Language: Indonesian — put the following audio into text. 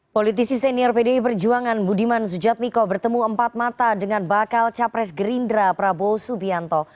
politisi senior pdi perjuangan budiman sujadmiko bertemu empat mata dengan bakal capres gerindra prabowo subianto